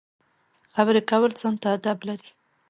خبرې کول ځان ته اداب لري.